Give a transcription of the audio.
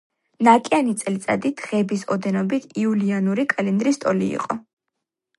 ნაკიანი წელიწადი, დღეების ოდენობით იულიანური კალენდრის ტოლი იყო.